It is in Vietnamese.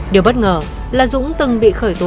điều bất ngờ là dũng từng bị khởi tố